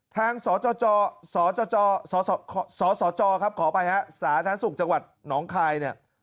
ทางสจขอไปฮะสาธานสุขจังหวัดหนองคายเนี่ย